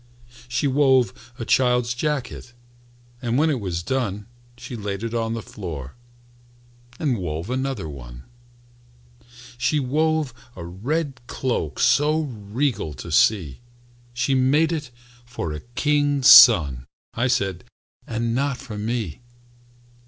She wove a child's jacket, And when it was done She laid it on the floor And wove another one. She wove a red cloak So regal to see, "She's made it for a king's son," I said, "and not for me."